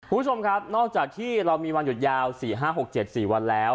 คุณผู้ชมครับนอกจากที่เรามีวันหยุดยาว๔๕๖๗๔วันแล้ว